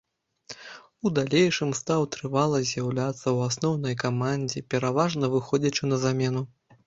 У далейшым стаў трывала з'яўляцца ў асноўнай камандзе, пераважна выходзячы на замену.